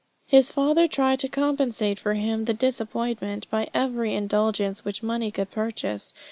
His father tried to compensate him for the disappointment by every indulgence which money could purchase.